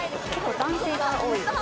男性が多いです。